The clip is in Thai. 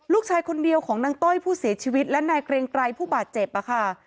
ลูกชายคนเดียวของนางต้อยผู้เสียชีวิตและนายเกรงไกรผู้บาดเจ็บค่ะ